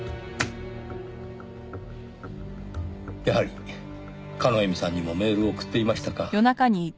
やはり叶笑さんにもメールを送っていましたか。